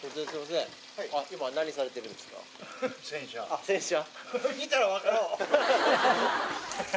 あっ洗車。